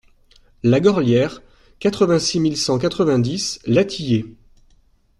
La Gorlière, quatre-vingt-six mille cent quatre-vingt-dix Latillé